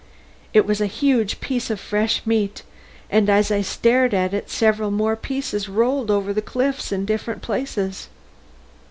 It was a huge piece of fresh meat, and as I stared at it several more pieces rolled over the cliffs in different places.